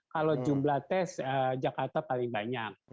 kalau jumlah tes jakarta paling banyak